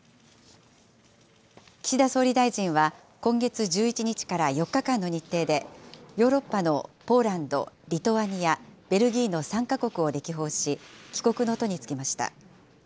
岸田総理大臣は、今月１１日から４日間の日程で、ヨーロッパのポーランド、リトアニア、ベルギーの３か国を歴訪し、帰国の途に就きました。